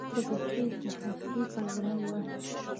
په پښتو کې هفتې ته اونۍ وایی.